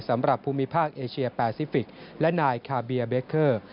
สำหรับภูมิภาคเอเชียแปซิฟิกและนายคาเบียเบคเคอร์